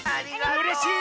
うれしい！